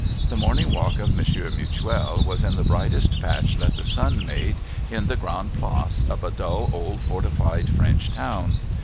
The morning walk of Monsieur Mutuel was in the brightest patch that the sun made in the Grande Place of a dull old fortified French town.